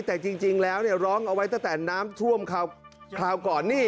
แต่จริงแล้วร้องเอาไว้ตั้งแต่น้ำท่วมคราวก่อนนี่